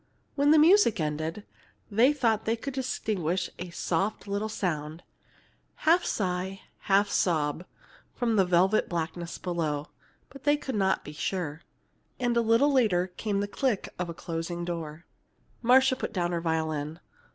When the music ended, they thought they could distinguish a soft little sound, half sigh, half sob, from the velvet blackness below; but they could not be sure. And a little later came the click of a closing door. Marcia put down her violin.